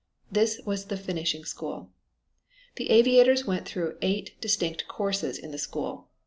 This was the finishing school. The aviators went through eight distinct courses in the school.